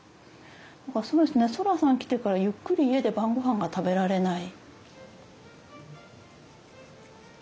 だからそうですねそらさん来てからゆっくり家で晩ごはんが食べられない。